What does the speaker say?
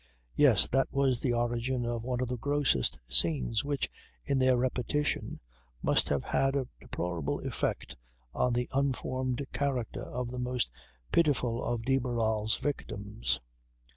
Yes, that was the origin of one of the grossest scenes which, in their repetition, must have had a deplorable effect on the unformed character of the most pitiful of de Barral's victims.